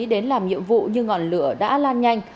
đến làm nhiệm vụ nhưng ngọn lửa đã lan nhanh